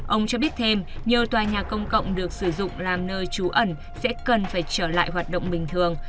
ông cho biết thêm nhiều tòa nhà công cộng được sử dụng làm nơi trú ẩn sẽ cần phải trở lại hoạt động bình thường